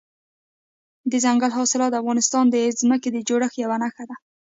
دځنګل حاصلات د افغانستان د ځمکې د جوړښت یوه نښه ده.